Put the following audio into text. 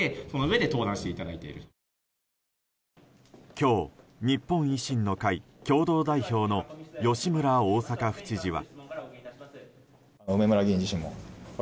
今日、日本維新の会共同代表の吉村大阪府知事は。